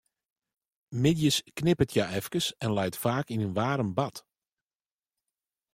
Middeis knipperet hja efkes en leit faak yn in waarm bad.